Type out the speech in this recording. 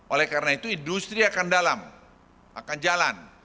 oleh karena itu industri akan dalam akan jalan